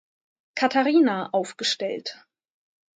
Katharina aufgestellt.